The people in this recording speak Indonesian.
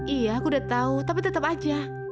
iya aku udah tahu tapi tetap aja